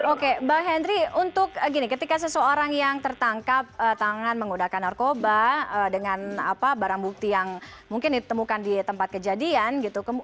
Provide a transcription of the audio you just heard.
oke mbak hendry ketika seseorang yang tertangkap tangan mengodakan narkoba dengan barang bukti yang mungkin ditemukan di tempat kejadian